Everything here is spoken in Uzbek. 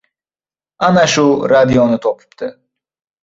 Ana shu radioni topibdi.